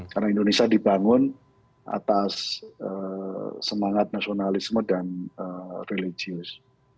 karena indonesia dibangun atas semangat nasionalisme dan religius